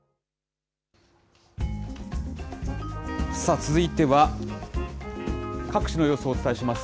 続いては、各地の様子をお伝えします。